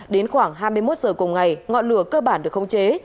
đến khoảng hai mươi một h cùng ngày ngọn lửa cơ bản được khống chế